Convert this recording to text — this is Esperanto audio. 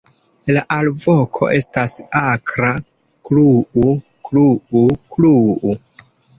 La alvoko estas akra "kluu-kluu-kluu".